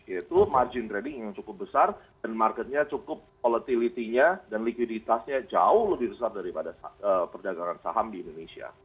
yaitu margin trading yang cukup besar dan marketnya cukup volatility nya dan likuiditasnya jauh lebih besar daripada perdagangan saham di indonesia